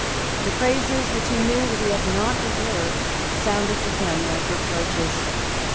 The praises which he knew that he had not deserved sounded to him like reproaches.